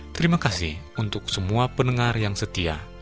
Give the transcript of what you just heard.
terima kasih untuk semua pendengar yang setia